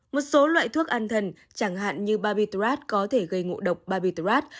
một số loại thuốc an thần chẳng hạn như barbiturat có thể gây ngộ độc barbiturat